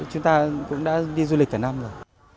chúng ta cũng đã đi du lịch cả năm rồi